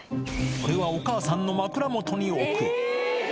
これはお母さんの枕元に置く。